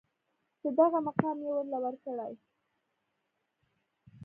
چې دغه مقام يې ورله ورکړې.